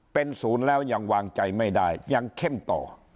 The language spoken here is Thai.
เป็นศูนย์แล้วยังวางใจไม่ได้ยังเข้มต่อ